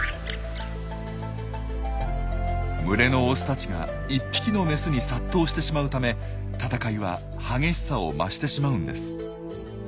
群れのオスたちが１匹のメスに殺到してしまうため戦いは激しさを増してしまうんです。